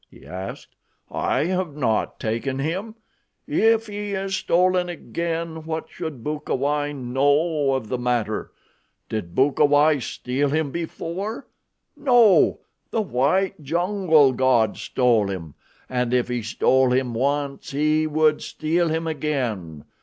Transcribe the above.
he asked. "I have not taken him. If he is stolen again, what should Bukawai know of the matter? Did Bukawai steal him before? No, the white jungle god stole him, and if he stole him once he would steal him again.